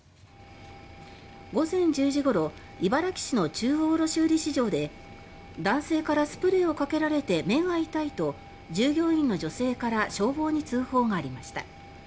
午前１０時ごろ茨木市の中央卸売市場で「男性からスプレーをかけられて目が痛い」と従業員の女性から消防に通報がありました。